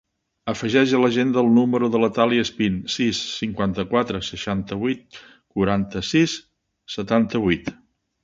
Afegeix a l'agenda el número de la Thàlia Espin: sis, cinquanta-quatre, seixanta-vuit, quaranta-sis, setanta-vuit.